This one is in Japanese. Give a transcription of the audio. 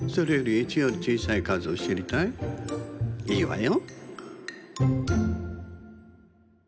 いいわよ。